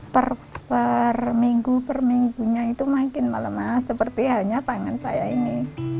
per minggu per minggunya itu makin melemah seperti halnya pangan saya ini